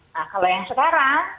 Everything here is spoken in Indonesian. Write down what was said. nah kalau yang sekarang